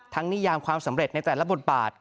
นิยามความสำเร็จในแต่ละบทบาท